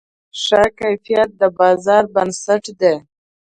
ښه کیفیت د بازار بنسټ دی.